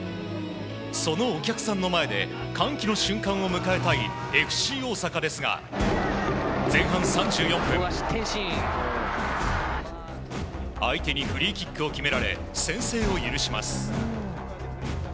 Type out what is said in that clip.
そのお客さんの前で歓喜の瞬間を迎えたいＦＣ大阪ですが、前半３４分相手にフリーキックを決められ先制を許します。